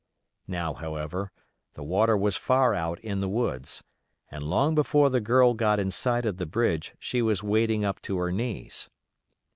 Now, however, the water was far out in the woods, and long before the girl got in sight of the bridge she was wading up to her knees.